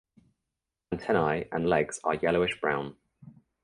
Antennae and legs are yellowish brown.